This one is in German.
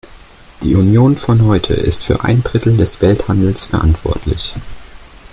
Die Union von heute ist für ein Drittel des Welthandels verantwortlich.